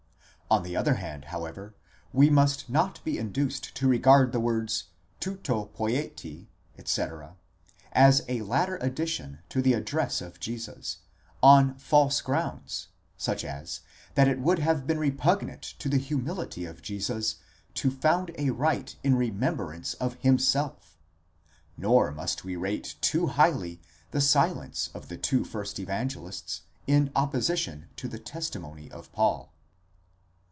On the other hand, however, we must not be induced to regard the words τοῦτο ποιεῖτε x. τ. X. as a later addition to the address of Jesus, on false grounds, such as, that it would have been repugnant to the humility of Jesus to found a rite in remembrance of himself ;5 nor must we rate too highly the silence of the two first Evangelists, in opposition to the testimony of Paul.